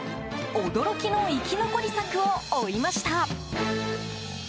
驚きの生き残り策を追いました。